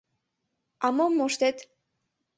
— А мом моштет?